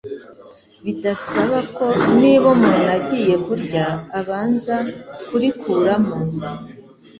bidasaba ko niba umuntu agiye kurya abanza kurikuramo